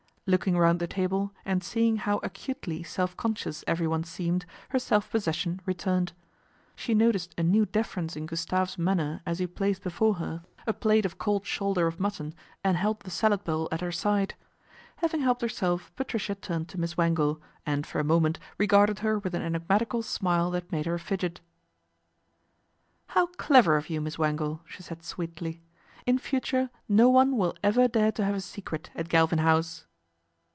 Looking round the table, and seeing how acutely s .f conscious everyone seemed, her self possession r turned. She noticed a new deference in Gus tve's manner as he placed before her a plate of 96 PATRICIA BRENT, SPINSTER cold shoulder of mutton and held the salad bowl at her side. Having helped herself Patricia turned to Miss Wangle, and for a moment regarded her with an enigmatical smile that made her fidget. " How clever of you, Miss Wangle," she said sweetly. " In future no one will ever dare to have a secret at Galvin House."